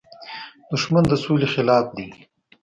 • دښمني د سولې خلاف ده.